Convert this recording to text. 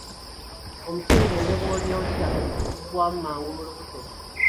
Omuceere ne bwolya otya gugwamu mangu mu lubuto.